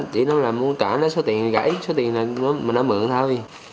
chỉ nó muốn trả nó số tiền gãy số tiền là nó mượn thôi